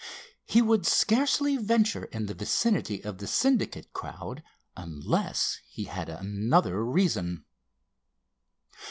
He would scarcely venture in the vicinity of the Syndicate crowd unless he had another reason.